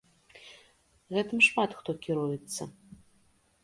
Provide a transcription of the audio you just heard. Гэтым шмат хто кіруецца.